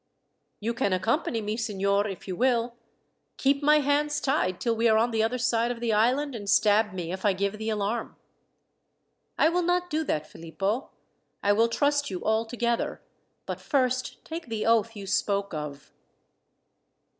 "You can accompany me, signor, if you will. Keep my hands tied till we are on the other side of the island, and stab me if I give the alarm." "I will not do that, Philippo. I will trust you altogether; but first take the oath you spoke of."